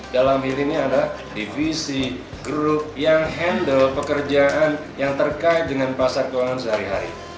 yang pertama adalah divisi group yang handle pekerjaan yang terkait dengan pasar keuangan sehari hari